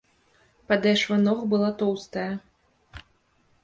Падэшва ног была тоўстая.